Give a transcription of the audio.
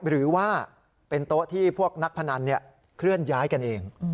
หรือว่าเป็นโต๊ะที่พวกนักพนันเคลื่อนย้ายกันเอง